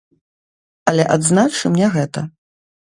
Але адзначым не гэта.